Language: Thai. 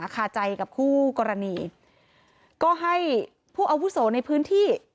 คาใจกับคู่กรณีก็ให้ผู้อาวุโสในพื้นที่